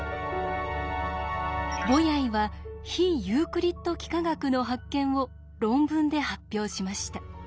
ボヤイは非ユークリッド幾何学の発見を論文で発表しました。